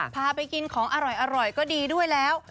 พาไปกินของอร่อยก็ดีด้วยแล้ว